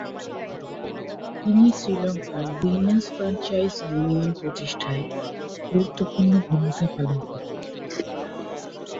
তিনি শ্রীলঙ্কার women's franchise union প্রতিষ্ঠায় গুরুত্বপূর্ণ ভূমিকা পালন করেন।